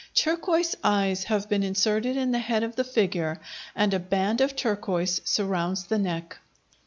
Turquoise eyes have been inserted in the head of the figure and a band of turquoise surrounds the neck.